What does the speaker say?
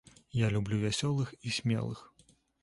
Я люблю вясёлых і смелых.